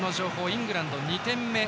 イングランド２点目。